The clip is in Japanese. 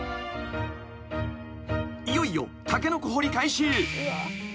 ［いよいよタケノコ掘り開始］